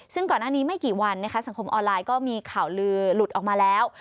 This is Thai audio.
ซึ่งก่อนหน้านี้ไม่กี่วันนะคะสังคมออนไลน์ก็มีข่าวลือหลุดออกมาแล้ว